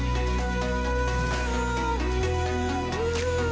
dari sabang sampai merauke